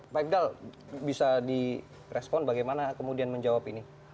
pak iqdal bisa direspon bagaimana kemudian menjawab ini